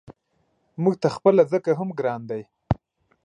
موږ ته خپله ځکه هم ګران دی.